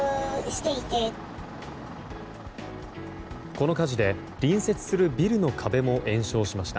この火事で隣接するビルの壁も延焼しました。